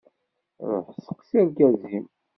Ruḥ steqsi argaz-im.